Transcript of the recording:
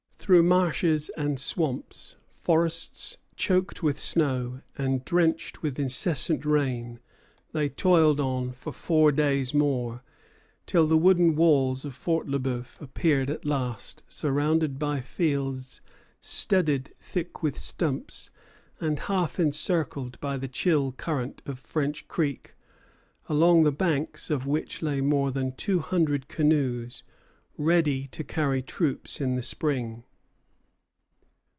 Through marshes and swamps, forests choked with snow, and drenched with incessant rain, they toiled on for four days more, till the wooden walls of Fort Le Bœuf appeared at last, surrounded by fields studded thick with stumps, and half encircled by the chill current of French Creek, along the banks of which lay more than two hundred canoes, ready to carry troops in the spring.